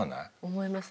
思います。